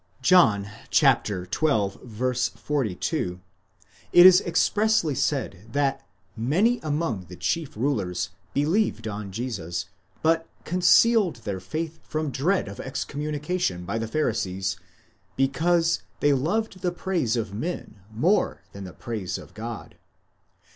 : John xii. 42, it is expressly said that many among the chief rulers believed on Jesus, but concealed their faith from dread of excommunication by the Pharisees, because they Joved the praise of men more than the praise of God."